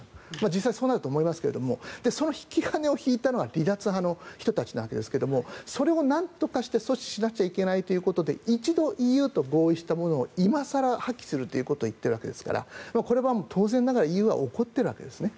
実際そうなると思いますがその引き金を引いたのは離脱派の人たちなわけですがそれをなんとかして阻止しなくちゃいけないということで一度、ＥＵと合意したものを今更、破棄するということを言っているわけですからこれは当然ながらＥＵは怒っているわけですね。